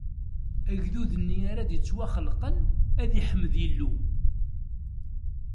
Agdud-nni ara d-ittwaxelqen, ad iḥmed Illu.